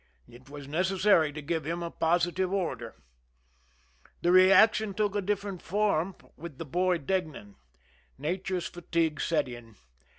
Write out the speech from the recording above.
It was necessary to give him a positive order. The reaction took a different form with the boy Deignan. Nature's fatigue set in.